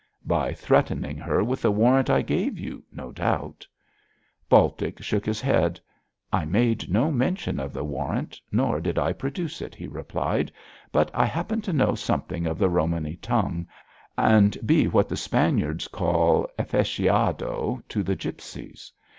'By threatening her with the warrant I gave you, no doubt.' Baltic shook his head. 'I made no mention of the warrant, nor did I produce it,' he replied, 'but I happen to know something of the Romany tongue, and be what the Spaniards call "affeciado" to the gipsies.